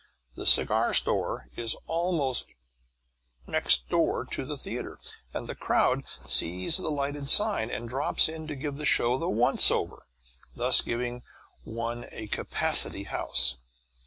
The cigar store is almost next door to the theatre, and the crowd sees the lighted sign and drops in to give the show the once over, thus giving one a capacity house.